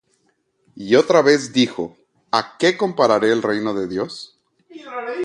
Y otra vez dijo: ¿A qué compararé el reino de Dios?